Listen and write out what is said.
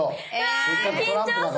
わ緊張する！